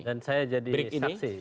dan saya jadi saksi